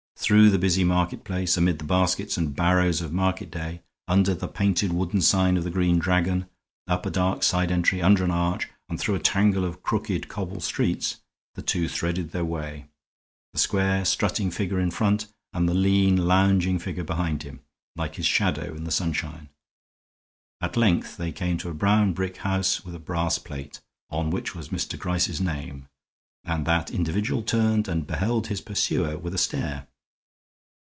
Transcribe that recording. Through the busy market place, amid the baskets and barrows of market day, under the painted wooden sign of the Green Dragon, up a dark side entry, under an arch, and through a tangle of crooked cobbled streets the two threaded their way, the square, strutting figure in front and the lean, lounging figure behind him, like his shadow in the sunshine. At length they came to a brown brick house with a brass plate, on which was Mr. Gryce's name, and that individual turned and beheld his pursuer with a stare.